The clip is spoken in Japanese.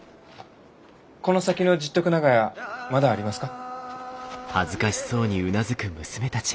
この先の十徳長屋まだありますか？